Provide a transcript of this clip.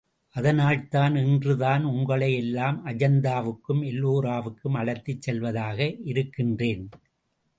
அதனால்தான் இன்று தான் உங்களை எல்லாம் அஜந்தாவுக்கும் எல்லோராவுக்கும் அழைத்துச் செல்வதாக இருக்கின்றேன்.